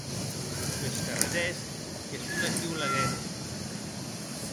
Pes carretèrs que son aquiu laguens.